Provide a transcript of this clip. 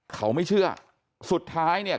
เขาไม่เชื่อสุดท้ายเนี่ย